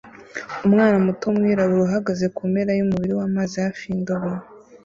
Umwana muto wumwirabura uhagaze kumpera yumubiri wamazi hafi yindobo